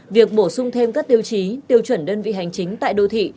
việc bổ sung thêm các tiêu chí tiêu chuẩn đơn vị hành chính tại đô thị